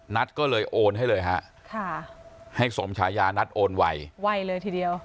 นัทก็เลยโอนให้เลยฮะค่ะให้สมฉายานัทโอนไวเลยทีเดียว